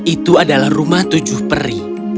itu adalah rumah tujuh peri